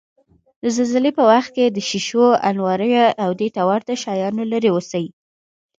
د زلزلې په وخت کې له شیشو، انواریو، او دېته ورته شیانو لرې اوسئ.